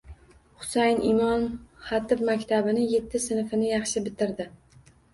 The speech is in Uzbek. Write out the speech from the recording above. Husayin Imom Xatib maktabini yetti sinfini yaxshi bitirdi.